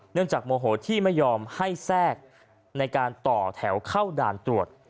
จากโมโหที่ไม่ยอมให้แทรกในการต่อแถวเข้าด่านตรวจ